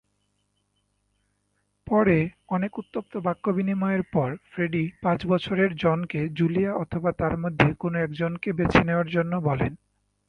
পরে অনেক উত্তপ্ত বাক্য বিনিময়ের পর ফ্রেডি পাঁচ বছরের জনকে জুলিয়া অথবা তার মধ্যে কোন একজনকে বেছে নেয়ার জন্য বলেন।